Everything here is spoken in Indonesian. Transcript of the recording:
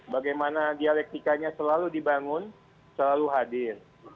bagaimana dialektikanya selalu dibangun selalu hadir